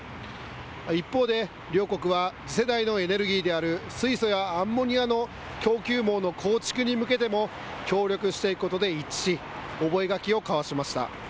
一方で、両国は次世代のエネルギーである水素やアンモニアの供給網の構築に向けても協力していくことで一致し、覚書を交わしました。